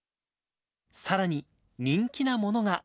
さらに、人気なものが。